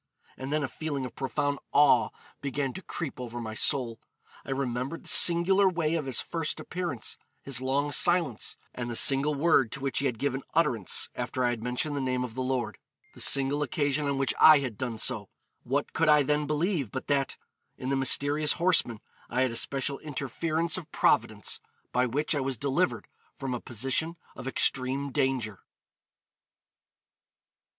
And then a feeling of profound awe began to creep over my soul. I remembered the singular way of his first appearance, his long silence, and the single word to which he had given utterance after I had mentioned the name of the Lord; the single occasion on which I had done so. What could I then believe but that ... in the mysterious horseman I had a special interference of Providence, by which I was delivered from a position of extreme danger?'